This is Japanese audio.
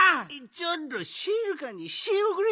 ちょっろしずかにしれおくれ！